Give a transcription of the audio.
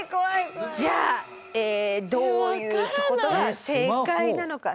じゃあどういうことが正解なのか。